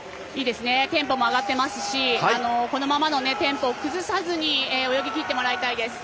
テンポも上がっていますしこのままのテンポのままで泳ぎ切ってもらいたいです。